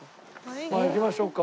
まあ行きましょうか。